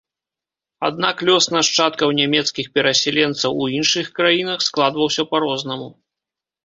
Аднак лёс нашчадкаў нямецкіх перасяленцаў у іншых краінах складваўся па-рознаму.